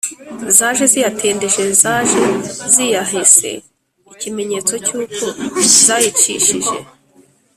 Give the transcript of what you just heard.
. Zaje ziyatendeje: Zaje ziyahese (ikimenyetso cy’uko zayicishije).